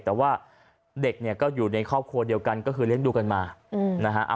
แต่ว่าเด็กเนี่ยก็อยู่ในครอบครัวเดียวกันก็คือเลี้ยงดูกันมานะฮะ